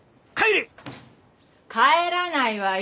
帰らないわよ